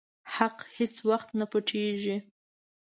حق هيڅ وخت نه پټيږي.